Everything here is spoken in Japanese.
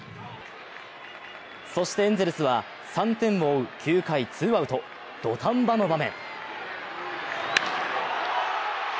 そしてエンゼルスは３点を追う９回、ツーアウト、土壇場の場面。